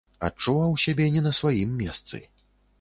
Адчуваў сябе не на сваім месцы.